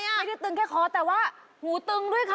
ไม่ได้ตึงเพียงขอแต่ว่าหูตึงด้วยค่ะ